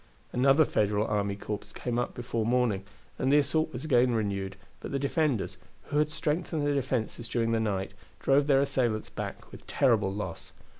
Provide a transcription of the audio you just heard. Another Federal army corps came up before morning, and the assault was again renewed, but the defenders, who had strengthened their defenses during the night, drove their assailants back with terrible loss.